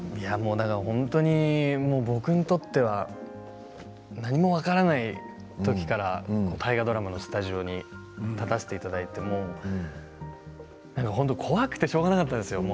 本当に僕にとっては何も分からないときから大河ドラマのスタジオに立たせていただいて本当、怖くてしょうがなかったんです